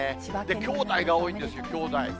きょうだいがおおいんですよ、きょうだい。